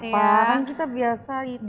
kan kita biasa itu